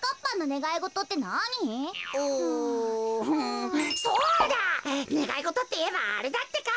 ねがいごとっていえばあれだってか。